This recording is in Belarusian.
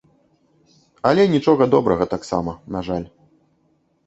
Але нічога добрага таксама, на жаль.